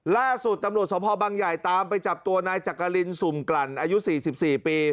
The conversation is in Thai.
ล่าสุดตำรวจสภบังใหญ่ตามไปจับตัวนายจักรินสุ่มกลั่นอายุ๔๔ปี